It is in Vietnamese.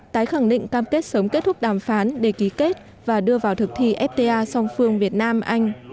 tái khẳng định cam kết sớm kết thúc đàm phán để ký kết và đưa vào thực thi fta song phương việt nam anh